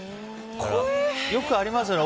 よくありますよね。